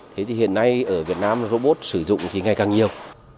thế thì hiện nay ở việt nam robot sử dụng thì ngày càng nhiều